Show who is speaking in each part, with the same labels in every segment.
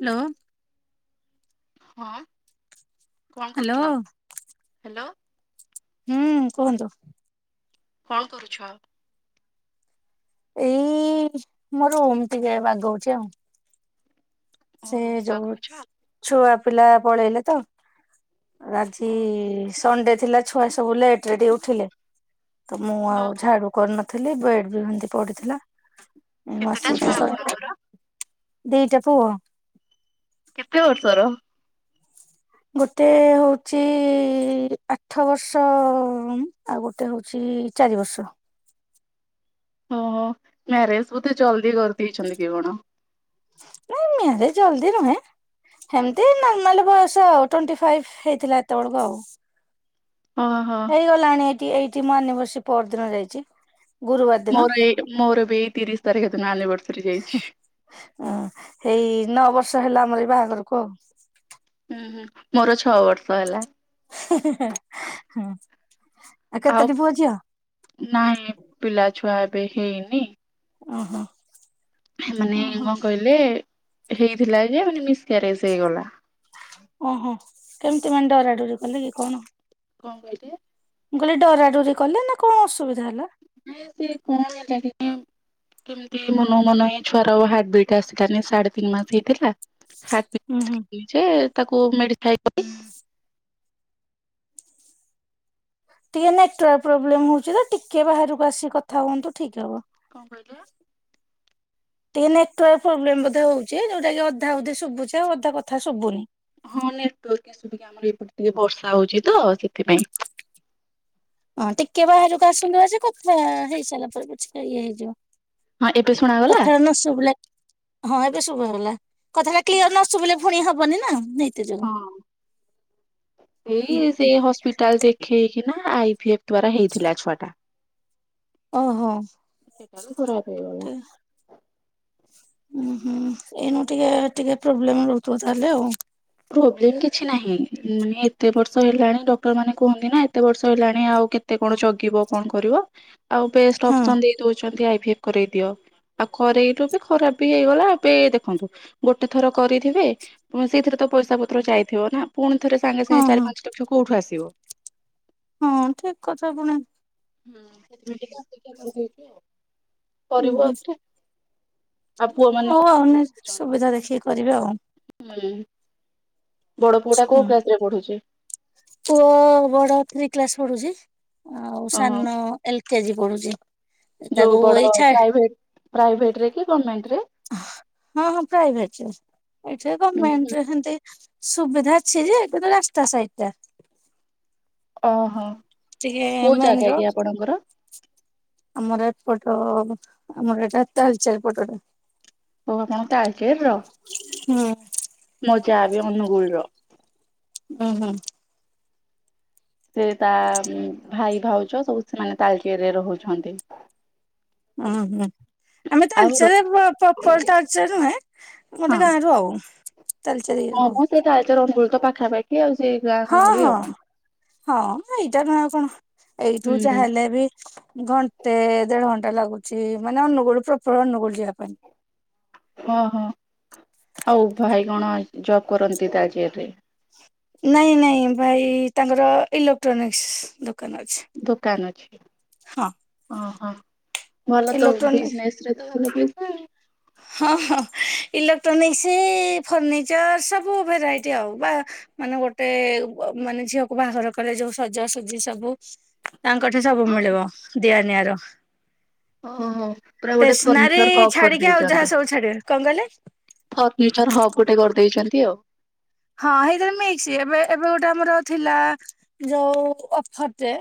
Speaker 1: Hello.
Speaker 2: ହଁ କଣ
Speaker 1: hello.
Speaker 2: କରୁଛ ହ୍ୟାଲୋ।
Speaker 1: ହୁଁ କୁହନ୍ତୁ?
Speaker 2: କଣ କରୁଛ?
Speaker 1: ଏଇ ମୋ ରୁମ ଟିକେ ବାଗଉଛି ଆଉ।
Speaker 2: ଓ
Speaker 1: ସେ
Speaker 2: ରୁମ୍
Speaker 1: ଯୋଉ
Speaker 2: ବାଗଉଛ?
Speaker 1: ଛୁଆ ପିଲା ପଳେଇଲେ ତ। ଆଜି
Speaker 2: ଓହୋ
Speaker 1: ସଣ୍ଡେ ଥିଲା ଛୁଆ ସବୁ ଲେଟ ରେ ଟିକେ ଉଠିଲେ ତ ମୁଁ ଆଉ
Speaker 2: ଓହୋ
Speaker 1: ଝାଡୁ କରିନଥିଲି ବେଡ ବି ହେମିତି ପଡିଥିଲା।
Speaker 2: କେତେଟା ଛୁଆ ଆପଣଙ୍କର?
Speaker 1: [unintelligible] ଦିଟା ପୁଅ।
Speaker 2: କେତେ ବର୍ଷର?
Speaker 1: ଗୋଟେ ହଉଛି ଆଠ ବର୍ଷ ଉଁ ଆଉ ଗୋଟେ ହଉଛି ଚାରି ବର୍ଷ।
Speaker 2: ଓହୋ ମ୍ୟାରେଜ ବୋଧେ ଜଲ୍ଦି କରିଦେଇଛନ୍ତି କି କଣ?
Speaker 1: ନାଇଁ ମ୍ୟାରେଜ ଜଲଦି ନୁହେଁ ହେମତି ନର୍ମାଲ ବୟସ ଆଉ ଟ୍ୱେଣ୍ଟି ଫାଇଭ ହେଇଥିଲା ହେତ ବେଳକୁ ଆଉ।
Speaker 2: ଅ ହ।
Speaker 1: ଗଲାଣି ଏଠି ଏଇଠି ମୋ ଆନିଭର୍ଶରୀ ପରଦିନ ଯାଇଛି। ଗୁରୁବାର ଦିନ
Speaker 2: ମୋର ଏଇ ମୋର ବି ଏଇ ତିରିଶ ତାରିଖ ଦିନ ଆନିଭର୍ସରୀ ଯାଇଛି।
Speaker 1: ଅଁ ହେଇ ନଅ ବର୍ଷ ହେଲା ଆମର ଏଇ ବାହାଘରକୁ ଆଉ।
Speaker 2: ହୁଁ ହୁଁ ମୋର ଛଅ ବର୍ଷ ହେଲା।
Speaker 1: [unintelligible] ହେଁ ଆଉ
Speaker 2: ଆଉ
Speaker 1: କେତୋଟି ପୁଅଝିଅ?
Speaker 2: ନାଇଁ ପିଲାଛୁଆ ଏବେ ହେଇନି।
Speaker 1: ଓ ହୋ।
Speaker 2: ସେ ମାନେ କଣ କହିଲେ ହେଇଥିଲା ଯେ ମାନେ ମିସ୍ କ୍ୟାରେଜ ହେଇଗଲା।
Speaker 1: ଓହୋ କେମିତି ମାନେ ଡରା ଡୋରି କଲେ କି କଣ?
Speaker 2: କଣ କହିଲେ।
Speaker 1: ମୁଁ କହିଲି ଡରାଡୁରି କଲେ ନା କଣ ଅସୁବିଧା ହେଲା।
Speaker 2: ସେ କଣ ହେଲା [unintelligible] କେମିତି ମନକୁ ମନ ଏଇ ଛୁଆର ହାର୍ଟ ବିଟ ଆସିଲାନି ସାଢେ ତିନି ମାସ ହେଇଥିଲା।
Speaker 1: ହୁଁ
Speaker 2: ହାର୍ଟବିଟ୍ ଚେକ୍
Speaker 1: ହୁଁ
Speaker 2: କଲି ଯେ ତାକୁ [unintelligible]
Speaker 1: ଟିକେ ନେଟୱାର୍କ ପ୍ରୋବ୍ଲେମ ହଉଛି ତ ଟିକେ ବାହାରକୁ ଆସି କଥା ହୁଅନ୍ତୁ ଠିକ ହବ।
Speaker 2: କଣ କହିଲେ?
Speaker 1: ଟିକେ ନେଟାର୍କ ପ୍ରୋବ୍ଲେମ ବୋଧେ ହଉଚି ଯୋଉଟା କି ଅଧା କଥା ଶୁଭୁଛି ଆଉ ଅଧା କଥା ଶୁଭୁନି।
Speaker 2: ହଁ ନେଟୱାର୍କ ଈସୁ ଆମର ଏପଟେ ଟିକେ ବର୍ଷା ହଉଛି ତ ସେଥିପାଇଁ।
Speaker 1: ହଁ ଟିକେ ବାହାରକୁ ଆସନ୍ତୁ ଆଜି କଥା ହେଇ ସାରିଲା ପରେ ପଛିକା ଇଏ ହେଇଯିବ।
Speaker 2: ହଁ ଏବେ ଶୁଣାଗଲା?
Speaker 1: କଥାଟା ନ ଶୁଭିଲେ ହଁ ଏବେ ଶୁବା ଗଲା କଥାଟା କ୍ଲିୟର ନ ନ ଶୁଭିଲେ ପୁଣି ହବନି ନା। ଯୋଗୁ
Speaker 2: ହଁ
Speaker 1: ହୁଁ
Speaker 2: ଏଇ
Speaker 1: ହୁଁ।
Speaker 2: ସେ ହସ୍ପିଟାଲ ରେ ଖେଇକିନା ଆଇ ଫି ଏଫ୍ ଦ୍ଵାର ହେଇଥିଲା ଛୁଆ ଟା।
Speaker 1: ଓହୋ।
Speaker 2: ସେଟା ବି ଖରାପ ହେଇଗଲା।
Speaker 1: ଉୁଁ ହୁଁ ଏଇନୁ ଟିକେ ଟିକେ ପ୍ରୋବ୍ଲେମ ରହୁଥିବ ତାହେଲେ ଆଉ।
Speaker 2: ପ୍ରୋବ୍ଲେମ କିଛି ନାହିଁ ମାନେ ଏତେ ବର୍ଷ ହେଲାଣି ଡକ୍ଟର ମାନେ କୁହନ୍ତି ନା ଏତେ ବର୍ଷ ହେଲାଣି ଆଉ କେ ଏତେ କଣ ଜଗିବ କଣ କରିବ ଆଉ ବେଷ୍ଟ
Speaker 1: ହଁ
Speaker 2: ଅପସନ ଦେଇ ଦଉଛନ୍ତି ଆଇ ଭି ଏଫ କରେଇ ଦିଅ। ଆଉ କରେଇଲୁ ବି ଖରାପ ବି ହେଇଗଲା ଏବେ ଦେଖନ୍ତୁ ଗୋଟେ ଥର କରିଥିବେ। ଉଁ ସେଥିରେ ତ ପଇସା ପତ୍ର ଯାଇଥିବ ନା ପୁଣି ଥରେ ସାଙ୍ଗେ
Speaker 1: ହଁ
Speaker 2: ସାଙ୍ଗେ
Speaker 1: ହଁ।
Speaker 2: ଚାରି ପାଞ୍ଚ ଲକ୍ଷ କୋଉଠୁ ଆସିବ।
Speaker 1: ହଁ ଠିକ କଥା ପୁଣି। ଉଁ
Speaker 2: କରିବୁ
Speaker 1: ହୁଁ
Speaker 2: ଆଉ ଥରେ।
Speaker 1: ହଉ ଆଉନି ସୁବିଧା ଦେଖିକି କରିବେ ଆଉ।
Speaker 2: ହୁଁ। ବଡ ପୁଅଟା
Speaker 1: ହୁଁ
Speaker 2: କୋଉଁ କ୍ଲାସ ରେ ପଢୁଛି?
Speaker 1: ପୁଅ ବଡ ଥ୍ରୀ କ୍ଲାସ ପଡୁଛି ଆଉ
Speaker 2: ଅ
Speaker 1: ସାନ। ଏଲ କେ ଜିି ପଢୁଛି।
Speaker 2: ଯୋଉଁ
Speaker 1: ତାକୁ
Speaker 2: ବଡ
Speaker 1: ଏଇ ଛା
Speaker 2: ପ୍ରାଇଭେଟ ରେ କି ଗମେଣ୍ଟ ରେ।
Speaker 1: ହଁ ହଁ ପ୍ରାଇଭେଟ ଏଠେ ଗମେଣ୍ଟରେ ହେମତି। ସୁବିଧା ଅଛି ଯେ କିନ୍ତୁ ରାସ୍ତା ସାଇଟ ଟା।
Speaker 2: ଓହୋ
Speaker 1: ଟିକେ
Speaker 2: କୋଉଁ
Speaker 1: ମେନ
Speaker 2: ଜାଗା
Speaker 1: ରୋଡ
Speaker 2: କି ଆପଣଙ୍କର?
Speaker 1: ଆମର ଏପଟ ଆମର ଏଟା ତାଳଚେର ପଟ ଟା
Speaker 2: ଓ ଆପଣ ତାଳଚେର ର?
Speaker 1: ହୁଁ।
Speaker 2: ମୋ ଯା ବି ଅନଗୁଳୁ ର।
Speaker 1: ହୁଁ ହୁଁ।
Speaker 2: ସେ ତା ଭାଇ ଭାଉଜ ସବୁ ସେମାନେ ତାଲଚେର ରେ ରହୁଛନ୍ତି।
Speaker 1: ଆ ହଁ। ଆମେ
Speaker 2: ଆଉ ର
Speaker 1: ତାଳଚେରେ ପ ପ୍ରପର ତାଳଚେର ନୁହେଁ ଗୋଟେ
Speaker 2: ହଁ
Speaker 1: ଗାଁରୁ ଆଉ। ତାଳଚେର ଇଏ
Speaker 2: ହଁ
Speaker 1: ହ
Speaker 2: ମୁଁ ସେ ତାଳଚେର ଅନଗୁଳ ତ ପାଖାପା କିଏ ଆଉ ସିଏ [unintelligible]
Speaker 1: ହଁ ହଁ ହଁ ଏଇଟା ନୁହଁ ଆଉ କଣ ଏଇଠୁ
Speaker 2: ହୁଁ
Speaker 1: ଯାହା ହେଲେ ବି। ଘଣ୍ଟେ ଦେଢ ଘଣ୍ଟା ଲାଗୁଛି ମାନେ ଅନୁଗୁଳୁ ପ୍ରପର୍ ଅନୁଗୁଳୁ ଯିବା ପାଇଁ।
Speaker 2: ଓହୋ ଆଉ ଭାଇ କଣ ଜବ୍ କରନ୍ତି ତାଳଚେର ରେ?
Speaker 1: ନାଇଁ ନାଇଁ ଭାଇ ତାଙ୍କର ଇଲେକ୍ଟ୍ରୋନିକ୍ସ ଦୋକାନ ଅଛି।
Speaker 2: ଦୋକାନ୍ ଅଛି
Speaker 1: ହଁ
Speaker 2: ଓହୋ ଭଲ ତ
Speaker 1: ଇଲେକ୍ଟ୍ରୋନି
Speaker 2: ବିଜ୍ନେସ୍। ସେଥିରେ ତ ଭଲ ପଇସା। ଆଉ।
Speaker 1: ହଁ ହଁ ଇଲେକ୍ଟ୍ରୋନିକ୍ସ ଫର୍ଣ୍ଣିିଚର୍ ସବୁ ଭେରାଇଟି ଆଉ ବାହା। ମାନେ ଗୋଟେ ୱ ମାନେ ଝିଅକୁ ବାହାଘର କଲେ ଯୋଉ ସଜାସୁଜି ସବୁ। ତାଙ୍କଠେ ସବୁ ମିଳିବ ଦିଆନିଆର।
Speaker 2: ଓହୋ ପୁରା ଗୋଟେ ଫର୍ନିଚର ହକ୍
Speaker 1: ଛାଡିକି
Speaker 2: କରିଦେଇ
Speaker 1: ଆଉ ଯାହା ସବୁ ଛାଡିଵେ କଣକହିଲେ?
Speaker 2: ଫର୍ଣ୍ଣିଚର୍ ହକ୍ ଗୋଟେ କରିଦେଇଛନ୍ତି ଆଉ।
Speaker 1: ହଁ ହେଇଥିରେ ମିକ୍ସି ଏବେ ଏବେ ଗୋଟେ ଆମର ଥିଲା ଯୋଉ ଅଫର୍ ଟେ।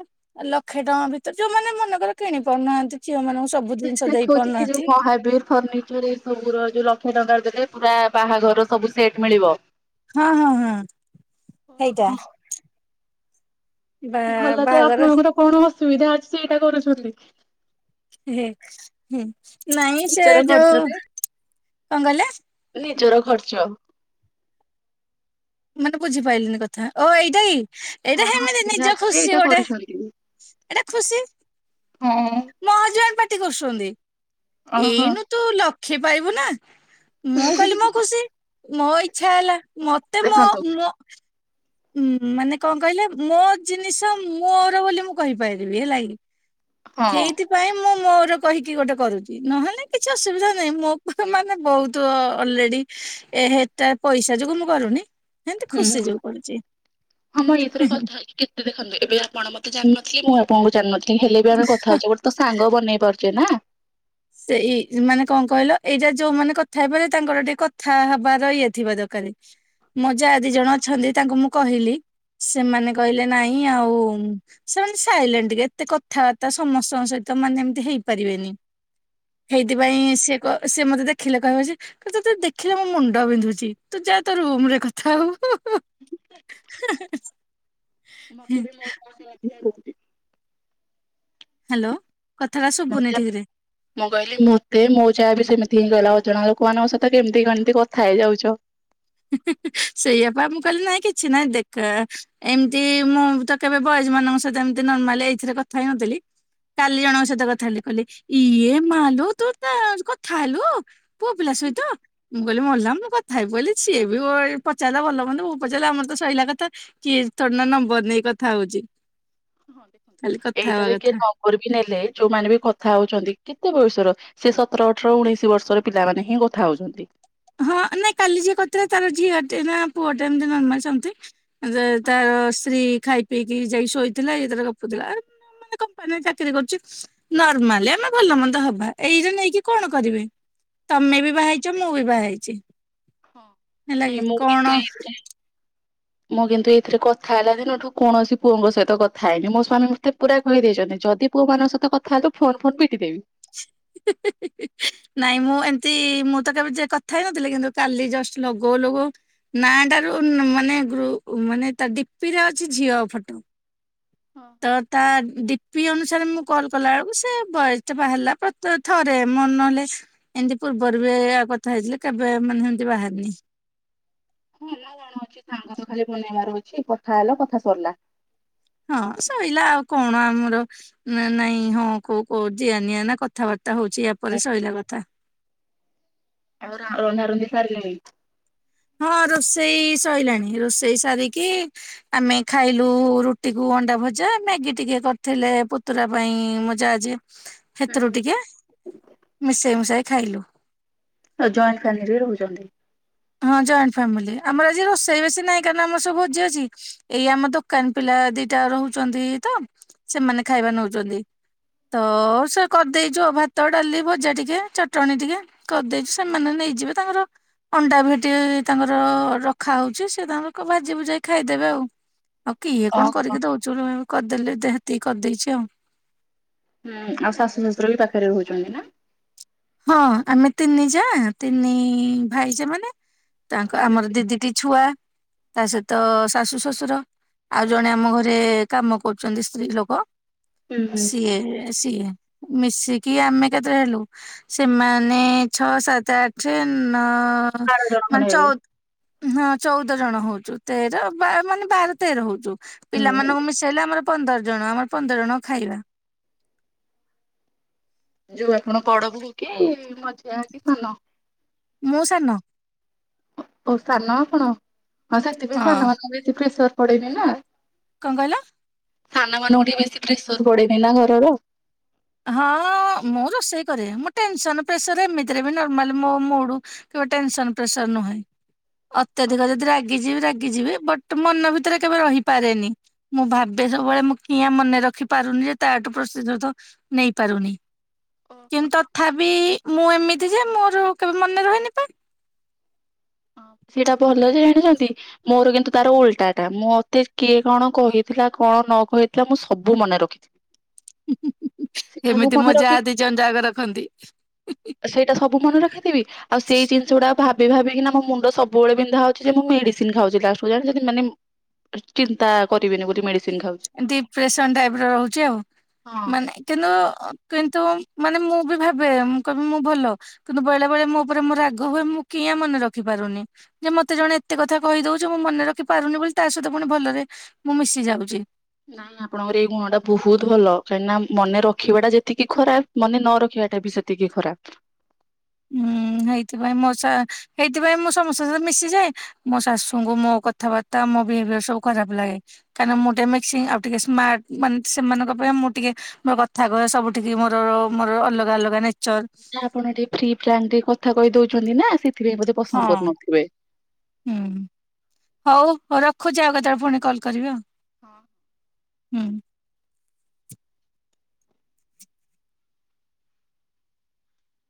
Speaker 1: ଲକ୍ଷେ ଟଙ୍କା ଭିତରେ ଯୋଉମାନେ ମନେକର କିଣି ପାରୁନାହାନ୍ତି ଝିଅ ମାନଙ୍କ।
Speaker 2: ଏଠି ଯେ ଦେଖଉଚି ଯୋଉ ମହାବୀର ଫନି- ଚରେ ସବୁର ଯୋଉ ଲକ୍ଷେ ଟଙ୍କା ଦେଲେ ପୁରା ବାହାଘର ସବୁ ସେଟ୍ ମିଳିବ।
Speaker 1: ହଁ ହଁ ହଁ ହେଇଟା।
Speaker 2: ଓହୋ
Speaker 1: ବା
Speaker 2: ଭଲତ
Speaker 1: ବାହାଘର
Speaker 2: ଆପଣଙ୍କର କଣ ଅସୁବିଧା ଅଛି ଯେ ଏଇଟା କରୁଛନ୍ତି?
Speaker 1: ହେ ହେ ହୁଁ ନାଇଁ ସେ
Speaker 2: ନିଜର
Speaker 1: ଯୋଉ
Speaker 2: ଖର୍ଚ୍ଚରେ
Speaker 1: କଣ କହିଲେ?
Speaker 2: ନିଜର ଖର୍ଚ୍ଚ।
Speaker 1: ମାନେ ବୁଝି ପାଇଲିିନି କ ଆଁ ଓ ଏଇଟାକି ଏଇଟା
Speaker 2: କଣ
Speaker 1: ହେମିତି
Speaker 2: ଅସୁବିଧା
Speaker 1: ନିଜ
Speaker 2: ଅଛି ଯେ
Speaker 1: ଖୁସି
Speaker 2: ଏଇଟା
Speaker 1: ଗୋଟେ
Speaker 2: କରିଛନ୍ତି।
Speaker 1: ଏଇଟା ଖୁସି।
Speaker 2: ହଁ।
Speaker 1: ମ ହଜବ୍ୟାଣ୍ଟ୍ ପାଟିକରୁସନ୍ତି
Speaker 2: ଓହୋ।
Speaker 1: ଏଇନୁ ତୁ ଲକ୍ଷେ ପାଇବୁ ନା। ମୁଁ କହିଲି ମୋ ଖୁସି ମୋ ଇଛା ହେଲା ମତେ ମୋ
Speaker 2: ଦେଖନ୍ତୁ
Speaker 1: ମୋ। ଉଁ ମାନେ କଣ କହିଲେ ମୋ ଜିନିଷ ମୋର ବୋଲି ମୁଁ କହିପାରିବି ହେଲାକି।
Speaker 2: ହଁ
Speaker 1: ହେଇଥିପାଇଁ ମୁଁ ମୋ ମୋର କହିକି ଗୋଟେ କରୁଚି ନହେଲେ ନାହିଁ କିଛି ଅସୁବିଧା ନାହିଁ ମୋ ପାଖେ ମାନେ ବହୁତୁ ଅଲରେଡି। ଏ ହେଟା ପଇସା ଯୁଗୁ ମୁଁ କରୁନି ହେନ୍ତି
Speaker 2: ହୁଁ।
Speaker 1: ଖୁସି ଯୁଗୁ।
Speaker 2: ହଁ ମଁ ଏଇଥରେ କଥା ହେଇକି କେତେ ଦେଖନ୍ତୁ ଏବେ ଆପଣ ମତେ ଜାଣିନଥିଲେ ମୁଁ ଆପଣଙ୍କୁ ଜାଣିନଥି ଲି ହେଲେ ବି ଆମେ କଥା ହଉଛେ ଗୋଟେ ତ ସାଙ୍ଗ ବନେଇ ପାରୁଛେ ନା।
Speaker 1: ସେଇ ମାନେ କଣ କହିଲ ଏଇଯା ଯୋଉମାନେ କଥା ହେଇପାର ତାଙ୍କର ଟିକେ କଥା ହବାର ଇଏଥିବା ଦରକାରେ। ମ
Speaker 2: ହଁ
Speaker 1: ଜା ଦିଜଣ ଅଛନ୍ତି ତାଙ୍କୁ ମୁଁ କହିଲି। ସେମାନେ କହିଲେ ନାହିଁ ଆଉ। ସେମାନେ ସାଇଲେଣ୍ଟ୍ ଟିକେ ଏତେ କଥାବାର୍ତ୍ତା ସମସ୍ତଙ୍କ ସହିତ ମାନେ ଏମତି ହେଇପାରିବେନି।
Speaker 2: ହଁ।
Speaker 1: ହେଇଥିପାଇଁ ସେ କ ସେ ମତେ ଦେଖିଲେ କହିବେ ଯେ। କି ତତେ ଦେଖିଲେ ମୋ ମୁଣ୍ଡ ବିନ୍ଧୁଛି ତୁଯା ତୁ ତୋ ରୁମ୍ ରେ କଥା ହଵୁ।
Speaker 2: [unintelligible]
Speaker 1: [unintelligible]
Speaker 2: ମତେ ବି ମୋ। [unintelligible]
Speaker 1: ହାଲୋ କଥାରା ଶୁବୁନି
Speaker 2: ମତେ
Speaker 1: ଠିକ୍ ରେ।
Speaker 2: ମୁଁ କହିଲି ମୋ ତେ ମୋ ଯାଆ ବି ସେମିତି ହିଁ କହିଲା ଅଜଣା ଲୋକମାନଙ୍କ ସହିତ କେମତି କଣତି କଥା ହେଇଯାଉଛ।
Speaker 1: ସେଇଆ ପା ମୁଁକହିଲି ନାଇଁ କିଛି ନାଇଁ ଦେଖ। ଏମତି ମୁଁ ତ କେବେ ବୟଜ୍ ମାନଙ୍କ ସହିତ ଏମତି ନର୍ମାଲି ଏଇଥିରେ କଥା ହେଇନଥିଲି। କାଲି ଜଣଙ୍କ ସହିତ କଥା ହେଲି କଇଲି ଇଏ ମାଲ ତୁ ତା ସ କଥା ହେଲୁ। ପୁଅ ପିଲା ସହିତ ମୁଁ କଇଲି ମଲା ମୁଁ କଥାହେଇପଇଲି। ସିଏବି ମୋର ପଚାରିଲା ଭଲମନ୍ଦ ମୁଁ ପଚାରିଲା ଆମରତ ସଇଲା କଥା। କିଏ ତମ ନମ୍ବର୍ ନେଇ କଥା ହଉଚି?
Speaker 2: ଏଇଟାରେ କିଏ
Speaker 1: କଥା
Speaker 2: ନମ୍ବର ବି ନେଲେ ଯୋଉମାନେ ବି କଥା ହଉଚନ୍ତି କେତେ ବୟସର? ସେ ସତର, ଅଠର, ଉଣେଇଶି ବର୍ଷର ପିଲାମାନେ ହିଁ କଥା ହଉଚନ୍ତି।
Speaker 1: ହଁ ନାଇଁ କାଲି ଯିଏ କରିଥିଲେ ତାର ଝିଅ ଟେ ନା ପୁଅ ଟେ ଏମତି ନର୍ମାଲ୍ ସେମିତି। ଆଉ ତା
Speaker 2: ହଁ
Speaker 1: ତାର ସ୍ତ୍ରୀ ଖାଇ ପିଇକି ଯାଇକି ଶୋଇଥିଲା ଇଏ ତାର ଗପୁଥିଲା ଆ ମା ମାନେ କମ୍ପାନୀରେ ଚାକିରି କରିଚି ନର୍ମାଲ୍ ଆମେ ଭଲ ମନ୍ଦ ହବା ଏଇରା ନେଇକି କଣ କରିବେ?
Speaker 2: ହଁ
Speaker 1: ତମେ ବି ବାହାଇଚ ମୁଁ ବି ବାହାଇଚି
Speaker 2: ହଁ।
Speaker 1: ହେଲା
Speaker 2: ନାଇଁ
Speaker 1: କି
Speaker 2: ମୁଁ କିନ୍ତୁ
Speaker 1: କଣ
Speaker 2: ଏଇଥିରେ ମୁଁ କିନ୍ତୁ ଏଇଥିରେ କଥା ହେଲା ଦିନ ଠୁ କୌଣସି ପୁଅଙ୍କ ସହିତ କଥା ହେଇନି ମୋ ସ୍ୱାମୀ ମୋତେ ପୁରା କହିଦେଇଚନ୍ତି ଯଦି ପୁଅ ମାନଙ୍କ ସହିତ କଥାହେଲୁ ଫୋନ୍ ଫୋନ୍ ପିଟିଦେବି।
Speaker 1: ହିଁ ହିଁ ହିଁ ହିଁ ହିଁ। ନାଇଁ ମୁଁ ଏମତି ମୁଁତ କେବେ ଯେ କଥା ହେଇ ନଥିଲି କିନ୍ତୁ କାଲି ଜଷ୍ଟ ଲଗଉ ଲଗଉ ନାଆଁଟାରୁ ମାନେ ଗ୍ରୁ ମାନେ ତା ଡିପିରେ ଅଛି ଝିଅ ଫଟୋ।
Speaker 2: ହଁ।
Speaker 1: ତ ତା ଡିପି ଅନୁସାରେ ମୁଁ କଲ୍ କଲା ବେଳକୁ ସେ ବଏଜ୍ ଟା ବାହାରିଲାପା। ତ ଥରେ ମନହେଲେ ଏମିତି ପୂର୍ବରୁ ବି ଏଇଆ କଥା ହେଇଥିଲି କେବେ ମାନେ ଏମିତି ବାହାରିନି।
Speaker 2: ହୁଁ ମୁଁ କଣ ଅଛି ଖାଇବା ତ ଖାଲି ବନେଇବାର ଅଛି କଥା ହେଲ କଥା ସରିଲା।
Speaker 1: ହଁ ସଇଲା ଆଉ କଣ ଆମର ନା ନାଇଁ ହଁ କୋଉ କୋଉ କୋଉ ଦିଆ ନିିଆ ନା କ କଥାବାର୍ତ୍ତା ହୋଉଛି ଆ ପରେ ସଇଲା କଥା।
Speaker 2: ଆଉ ରା ରନ୍ଧାରନ୍ଧି ସାରିଲେଣି
Speaker 1: ହଁ ରୋଷେଇ ସଇଲାଣି ରୋଷେଇ ସାରିକି ଆମେ ଖାଇଲୁ ରୁଟିକୁୁ, ଅଣ୍ଡା ଭଜା ମ୍ୟାଗି ଟିକେ କରିଥିଲେ ପୁତୁରା ପାଇଁ ମୋ ଯା ଯିଏ ସେଥିରୁ
Speaker 2: ହୁଁ।
Speaker 1: ଟିକେ ମିଶେଇ ମୁଶାଇ ଖାଇଲୁ।
Speaker 2: ଆଉ ଜଏଣ୍ଟ ଫ୍ୟାମିଲିରେ ରହୁଚନ୍ତି।
Speaker 1: ହଁ ଜଏଣ୍ଟ ଫ୍ୟାମିଲି ଆମର ଆଜି ରୋଷେଇ ବେଶି ନାହିଁ କାରଣ ଆମର ସବୁ ଭୋଜି ଅଛି। ଏଇ ଆମ ଦୋକାନ ପିଲା ଦିଟା ରହୁଚନ୍ତି ତ ସେମାନେ ଖାଇବା ନଉଚନ୍ତି। ତ ସେ କରିଦେଇଚୁ ଆଉ ଭାତ, ଡାଲି, ଭଜା ଟିକେ ଚଟଣି ଟିକେ କରିଦେଉଛି ସେମାନେ ନେଇଯିବେ ତାଙ୍କର ଅଣ୍ଡା ଭେଟି ତାଙ୍କର ର ରଖାହଉଛି ସେ ତାଙ୍କ ଭାଜି ଭୁଜାକି ଖାଇଦେବେ ଆଉ। ଆଉ କିଏ କଣ
Speaker 2: ଓହୋ।
Speaker 1: କରିକି ଦଉଛୁ ଲୋ ଆଉ କରିଦେଲି ଦେ ହେତିକି କରିଦେଇଛି ଆଉ।
Speaker 2: ହୁଁ ଆଉ ଶାଶୁ, ଶଶୁର ବି ପାଖରେ ରହୁଚନ୍ତି ନା?
Speaker 1: ହଁ ଆମେ ତିନି ଯା ତିନି ଭାଇ ସେମାନେ। ତାଙ୍କ ଆମର ଦି ଦିଟି ଛୁଆ। ତା ସହିତ ଶାଶୁ ଶଶୁର ଆଉ ଜଣେ ଆମ ଘରେ କାମ କରୁଚନ୍ତି ସ୍ତ୍ରୀ ଲୋକ।
Speaker 2: ହୁଁ ହୁଁ
Speaker 1: ସିଏ ସିଏ ମିଶିକି ଆମେ କେତେ ହେଲୁ ସେମାନେ ଛଅ, ସାତେ, ଆଠେ, ନ
Speaker 2: ବାର ଜଣ
Speaker 1: ମାନେ
Speaker 2: ଖଣ୍ଡେ ହେବେ।
Speaker 1: ଚଉ ହଁ ଚଉଦ ଜଣ ହଉଚୁ ତେର ବା ମାନେ ବାର, ତେର ହଉଚୁ
Speaker 2: ହୁଁ
Speaker 1: ପିଲାମାନଙ୍କୁ ମିଶ ମିଶେଇଲେ ଆମର ପନ୍ଦର ଜଣ ଆମର ପନ୍ଦର ଜଣଙ୍କ ଖାଇବା।
Speaker 2: ଯୋଉ ଆପଣ ବଡ ବୋହୁ କି ମଝିଆ କି ସାନ?
Speaker 1: ମୁଁ ସାନ।
Speaker 2: ଓ ସାନ ଆପଣ ହଁ ସେଥିପାଇଁ ସାନ ମାନଙ୍କୁ ବେଶି ପ୍ରେସର୍ ପଡେଇନି ନା।
Speaker 1: କଣ କହିଲ?
Speaker 2: ସାନ ମାନଙ୍କୁ ଟିକେ ବେଶୀ ପ୍ରେସର ପଡେନି ନା ଘରର।
Speaker 1: ହଁ ମୁଁ ରୋଷେଇ କରେ ମୁଁ ଟେନସନ ପ୍ରେସର ଏମିତିରେ ବି ନର୍ମାଲ ମୋ ମୁଡ଼ କେବେ ଟେନସନ ପ୍ରେସର ନୁହେଁ। ଅତ୍ୟଧିକ ଯଦି ରାଗିଯିବ ରାଗିଯିବି ବଟ ମନ ଭିତରେ କେବେ ରହିପାରେନି। ମୁଁ ଭାବେ ସବୁବେଳେ ମୁଁ କିଆଁ ମନେ ରଖି ପାରୁନି ଯେ ତାଠୁ ପ୍ରତିଶୋଧ ନେଇପାରୁନି। କିନ୍ତୁ ତଥାପି ମୁଁ ଏମିତି ଯେ ମୋର କେବେ ମନେ ରହେନି ପା।
Speaker 2: ସେଟା ଭଲ ଯେ ଜାଣିଛନ୍ତି ମୋର କିନ୍ତୁ ତାର ଉଲଟା ଟା ମୁଁ ମତେ କିଏ କଣ କହିଥିଲା କଣ ନ କହିଥିଲା ମୁଁ ସବୁ ମନେ ରଖିଥିବି।
Speaker 1: ହୁଁ ହୁଁ। ଏମିତି
Speaker 2: ମନେ
Speaker 1: ମୋ ଜା
Speaker 2: ରଖି
Speaker 1: ଦି ଜଣ ଜାକ ରଖନ୍ତି।
Speaker 2: ରଖିବି ଆଉ ସେଇ ଜିନିଷ ଗୁଡା ଭାବି ଭାବି କିନା ମୋ ମୁ ମୁଣ୍ଡ ସବୁବେଳେ ବିନ୍ଧା ହଉଛି ଯେ ମୁଁ ମେଡିସିନ ଖାଉଛି ଲାଷ୍ଟ କୁ ଜାଣିଛନ୍ତି ମାନେ ଚିନ୍ତା କରିବିନି ବୋଲି ମେଡିସିନ ଖାଉଛି।
Speaker 1: ଡିପ୍ରେସନ ଟାଇପ ର ରହୁଛି ଆଉ।
Speaker 2: ହଁ
Speaker 1: ମାନେ କିନ୍ତୁ କିନ୍ତୁ ମାନେ ମୁଁ ବି ଭାବେ ମୁଁ କହିବି ମୁଁ ଭଲ। କିନ୍ତୁ ବେଳେ ବେଳେ ମୋ ଉପରେ ମୋର ରାଗ ହୁଏ ମୁଁ କିଆଁ ମନେ ରଖି ପାରୁନି। ଯେ ମତେ ଜଣେ ଏତେ କଥା କହିଦଉଚି ମୁଁ ମନେ ରଖିପାରୁନି ବୋଲି ତା ସହିତ ପୁଣି ଭଲରେ ମୁଁ ମିଶି ଯାଉଛି।
Speaker 2: ନାଇଁ ଆପଣଙ୍କର ଏଇ ଗୁଣ ଟା ବହୁତ ଭଲ କାହିଁକି ନା ମନେ ରଖିବା ଟା ଯେତିକି ଖରାପ ମାନେ ନ ରଖିବାଟା ବି ସେତିକି ଖରାପ।
Speaker 1: ହୁଁ ହେଇଥିପାଇଁ ମୋ ସା ହେଇଥିପାଇଁ ମୁଁ ସମସ୍ତଙ୍କ ସହିତ ମିଶିଯାଏ। ମୋ ଶାଶୁଙ୍କୁ ମୋ କଥାବାର୍ତ୍ତା ମୋ ବିହେବିୟର ସବୁ ଖରାପ ଲାଗେ। କାହିଁକିନା ମୁଁ ଟିକେ ମିକ୍ସିଂ ଆଉ ଟିକେ ସ୍ମାର୍ଟ ମାନେ ସେମାନଙ୍କ ଅପେକ୍ଷା ମୁଁ ଟିକେ ମୋର କଥା କହି ସବୁଠିକି ମୋର ମୋର ଅଲଗା ଅଲଗା ନେଚର।
Speaker 2: ଆପଣ ଟିକେ ଫ୍ରି ଫ୍ରାଙ୍କ ଟିକେ କଥା କହି ଦଉଛନ୍ତି ନା ସେଥିପାଇଁ ବୋଧେ ପସନ୍ଦ
Speaker 1: ହଁ।
Speaker 2: କରୁନଥିବେ।
Speaker 1: ହୁଁ। ହଉ ହଉ ରଖୁଛି ଆଉ କେତେବେଳେ ପୁଣି କଲ୍ କରିବି ଆଉ।
Speaker 2: ହଁ।
Speaker 1: ହୁଁ।